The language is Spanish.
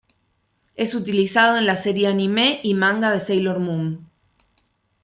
Es utilizado en la serie anime y manga de Sailor Moon.